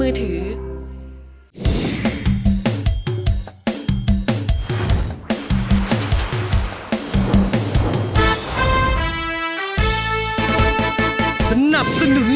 ร้องได้ให้ร้าง